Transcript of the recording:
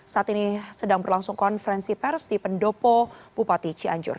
saat ini sedang berlangsung konferensi pers di pendopo bupati cianjur